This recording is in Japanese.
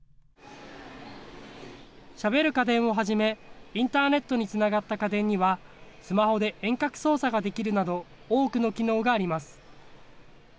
しゃべる家電をはじめ、インターネットにつながった家電には、スマホで遠隔操作ができるなど、多くの機能があります。